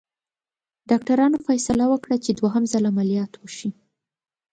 ډاکټرانو فیصله وکړه چې دوهم ځل عملیات وشي.